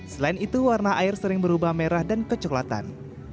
selain itu warna air sering berubah merah dan kecoklatan